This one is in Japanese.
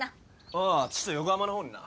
ああちょっと横浜の方にな。